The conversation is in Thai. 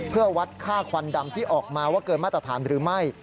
เพื่อวัดค่าควันดำที่ออกมาว่าเกินมาตรฐานหรือไม่